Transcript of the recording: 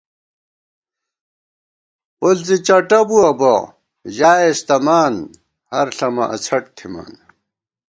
پݪ زی چٹہ بِبُوَہ بہ، ژائیس تمان، ہر ݪمہ اڅھٹ تھِمان